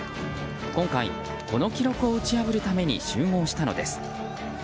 今回、この記録を打ち破るために集合したのです。